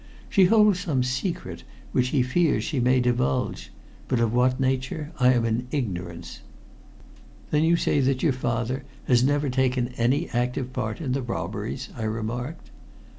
"She holds some secret which he fears she may divulge. But of what nature, I am in ignorance." "Then you say that your father has never taken any active part in the robberies?" I remarked.